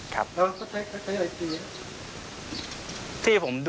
เขาเพิ่งไล่ตีไหม